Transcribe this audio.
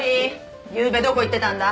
ゆうべどこ行ってたんだ？